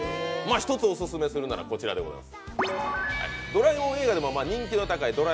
一つオススメするなら、こちらでございます。